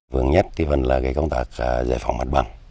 phần nhất là công tác giải phóng mặt bằng